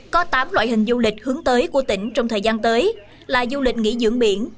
có tám loại hình du lịch hướng tới của tỉnh trong thời gian tới là du lịch nghỉ dưỡng biển